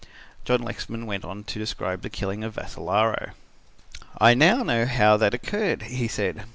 John Lexman went on to describe the killing of Vassalaro. "I know now how that occurred," he said.